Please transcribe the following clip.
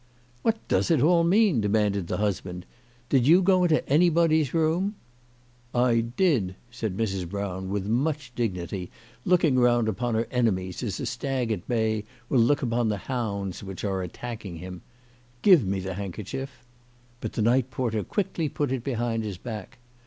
" What does it all mean ?" demanded the hushand. " Did you go into anybody's room ?"" I did/' said Mrs. Brown with much dignity, looking round upon her enemies as u stag at hay will look upon the hounds which are attacking him. " Give me the handkerchief." But the night porter quickly put it behind his back.